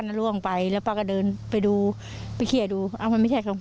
น่ะล่วงไปแล้วป้าก็เดินไปดูไปเขียดูอ่ะมันไม่ใช่ของ